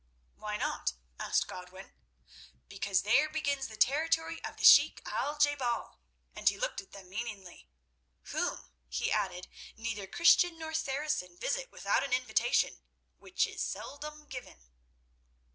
"Why not?" asked Godwin. "Because there begins the territory of the Sheik Al je bal"—and he looked at them meaningly—"whom," he added, "neither Christian nor Saracen visit without an invitation, which is seldom given."